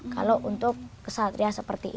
kalau untuk kesatria seperti ini